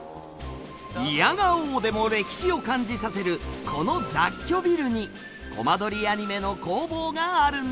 いやがおうでも歴史を感じさせるこの雑居ビルにコマ撮りアニメの工房があるんです。